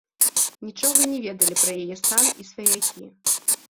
Нічога не ведалі пра яе стан і сваякі.